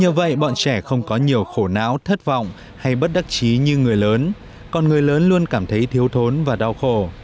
nhờ vậy bọn trẻ không có nhiều khổ não thất vọng hay bất đắc trí như người lớn còn người lớn luôn cảm thấy thiếu thốn và đau khổ